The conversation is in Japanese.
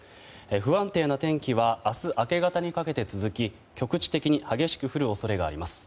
不安定な天気は明日明け方にかけて続き局地的に激しく降る恐れがあります。